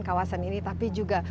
kawasan ini tapi juga